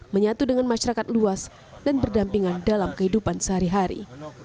menyatu dengan masyarakat luas dan berdampingan dalam kehidupan sehari hari